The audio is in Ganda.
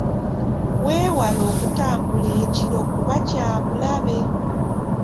Weewale okutambula ekiro kuba kya bulabe.